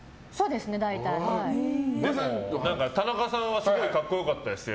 でも、田中さんはすごい格好良かったですよ。